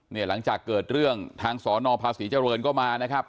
หลังจากเกิดเรื่องทางสนภาษีเจริญก็มานะครับ